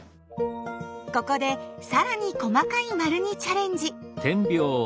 ここでさらに細かい丸にチャレンジ！